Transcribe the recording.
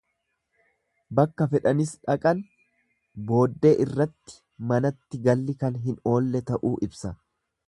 Bakka fedhanis dhaqan booddee irratti manatti galli kan hin oolle ta'uu ibsa.